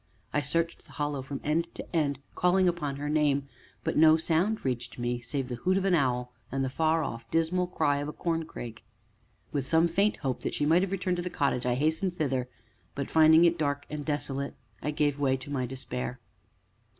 I searched the Hollow from end to end, calling upon her name, but no sound reached me, save the hoot of an owl, and the far off, dismal cry of a corncrake. With some faint hope that she might have returned to the cottage, I hastened thither, but, finding it dark and desolate, I gave way to my despair.